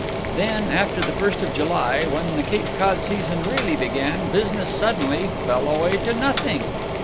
Then, after the first of July, when the Cape Cod season really began, business suddenly fell away to nothing.